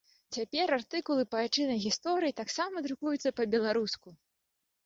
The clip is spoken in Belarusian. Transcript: Цяпер артыкулы па айчыннай гісторыі таксама друкуюцца па-беларуску.